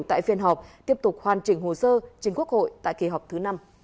tại phiên họp tiếp tục hoàn trình hồ sơ trên quốc hội tại kỳ họp thứ năm